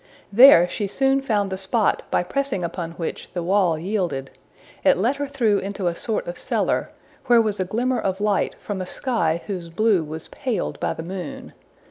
There she soon found the spot by pressing upon which the wall yielded. It let her through into a sort of cellar, where was a glimmer of light from a sky whose blue was paled by the moon.